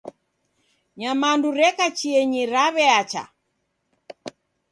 Nyamandu reka chienyi, raw'eacha.